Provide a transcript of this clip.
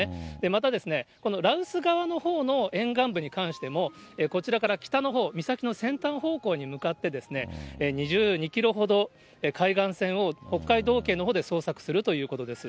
また、羅臼側のほうの沿岸部に関しても、こちらから北のほう、岬の先端方向に向かって２２キロほど、海岸線を北海道警のほうで捜索するということです。